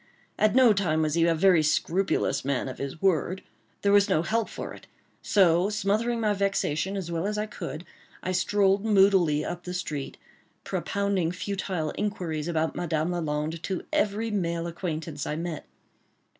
At no time was he a very scrupulous man of his word. There was no help for it; so smothering my vexation as well as I could, I strolled moodily up the street, propounding futile inquiries about Madame Lalande to every male acquaintance I met.